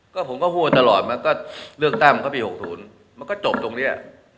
ก็ผมก็พูดตลอดมันก็เลือกตั้งมันก็ปี๖๐มันก็จบตรงนี้